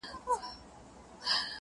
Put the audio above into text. پر ښار ختلې د بلا ساه ده،